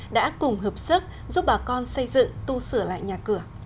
đã cùng hợp sức giúp bà con xây dựng tu sửa lại nhà cửa